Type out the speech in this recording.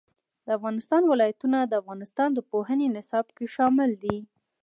د افغانستان ولايتونه د افغانستان د پوهنې نصاب کې شامل دي.